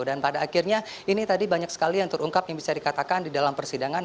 dan pada akhirnya ini tadi banyak sekali yang terungkap yang bisa dikatakan di dalam persidangan